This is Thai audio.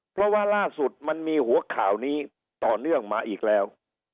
เพราะว่าล่าสุดมันมีหัวข่าวนี้ต่อเนื่องมาอีกแล้ว